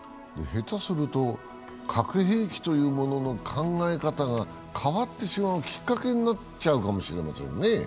下手すると核兵器というものの考え方が変わってしまうきっかけになっちゃうかもしれませんね。